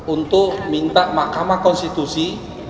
untuk minta mahkamah konstitusi